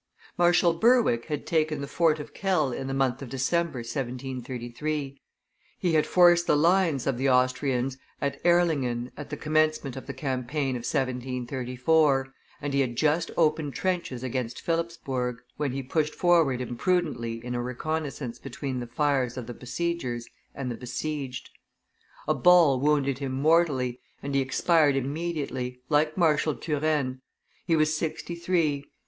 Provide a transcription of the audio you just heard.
Marshal Berwick had taken the fort of Kehl in the month of December, 1733; he had forced the lines of the Austrians at Erlingen at the commencement of the compaign of 1734, and he had just opened trenches against Philipsburg, when he pushed forward imprudently in a reconnoissance between the fires of the besiegers and besieged; a ball wounded him mortally, and he expired immediately, like Marshal Turenne; he was sixty three.